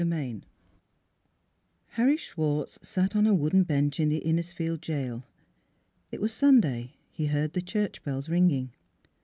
XXVII HARRY SCHWARTZ sat on a wooden bench in the Innisfield jail. It was Sun day: he heard the church bells ringing.